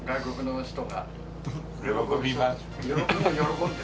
喜びます。